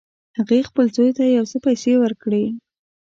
هغې خپل زوی ته یو څه پیسې ورکړې